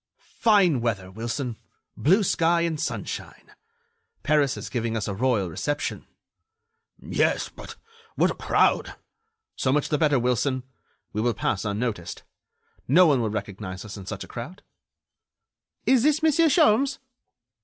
"Fine weather, Wilson.... Blue sky and sunshine! Paris is giving us a royal reception." "Yes, but what a crowd!" "So much the better, Wilson, we will pass unnoticed. No one will recognize us in such a crowd." "Is this Monsieur Sholmes?"